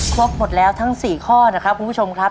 ครบหมดแล้วทั้ง๔ข้อนะครับคุณผู้ชมครับ